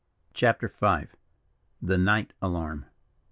CHAPTER V. THE NIGHT ALARM.